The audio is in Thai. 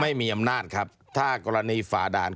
ไม่มีอำนาจครับถ้ากรณีฝ่าด่าน